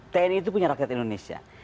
tni itu punya rakyat indonesia